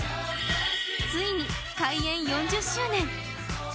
ついに開園４０周年。